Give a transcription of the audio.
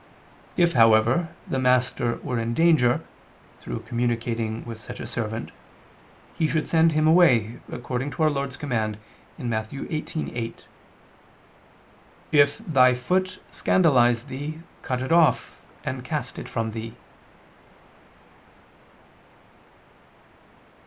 If, however, the master were in danger, through communicating with such a servant, he should send him away, according to Our Lord's command (Matt. 18:8): "If ... thy foot scandalize thee, cut it off, and cast it from thee."